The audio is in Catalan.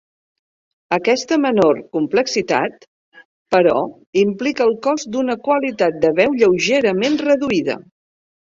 Aquesta menor complexitat, però, implica el cost d'una qualitat de veu lleugerament reduïda.